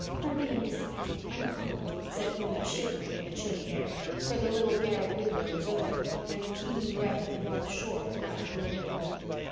"Let me in beside you. I'm cold," said Una shivering in the chilly air, for the little garret window was open and the keen breath of the north shore at night blew in.